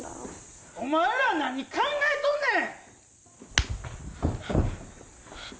お前ら何考えとんねん！